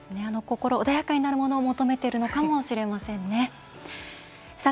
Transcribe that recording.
心穏やかになるものを求めてるのかもしれませんね。